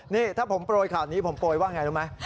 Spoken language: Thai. นี่ถ้าผมโปรยข่าวนี้ผมโปรยว่าไงรู้ไหม